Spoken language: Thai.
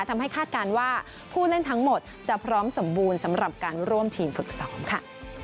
คาดการณ์ว่าผู้เล่นทั้งหมดจะพร้อมสมบูรณ์สำหรับการร่วมทีมฝึกซ้อมค่ะ